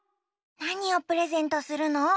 なにをプレゼントするの？